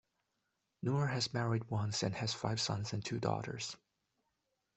Noor has married once and has five sons and two daughters.